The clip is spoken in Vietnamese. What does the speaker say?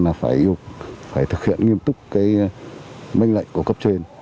là phải thực hiện nghiêm túc cái mệnh lệnh của cấp trên